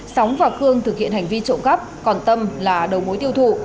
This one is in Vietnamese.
sóng và khương thực hiện hành vi trộm cắp còn tâm là đầu mối tiêu thụ